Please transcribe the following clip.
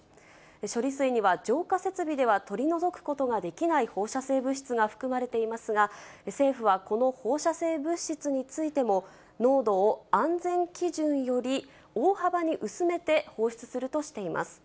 処理水には浄化設備では取り除くことができない放射性物質が含まれていますが、政府はこの放射性物質についても、濃度を安全基準より大幅に薄めて放出するとしています。